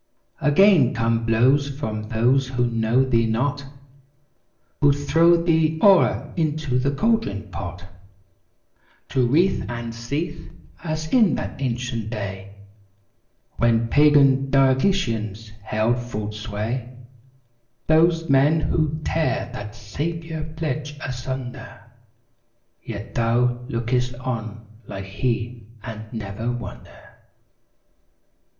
Again come blows from those who know thee not; Who'd throw thee o'er into the cauldron pot— To writhe and seethe, as in that ancient day When Pagan Diocletians held full sway. ^ Those men who'd tear that Saviour pledge asun¬ der Yet thou look'st on like He and never wonder.